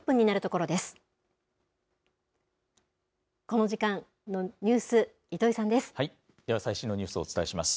この時間のニュース、糸井さんです。